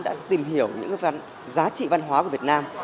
đã tìm hiểu những giá trị văn hóa của việt nam